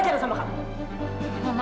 sekarang berpindah ke sekolah singapura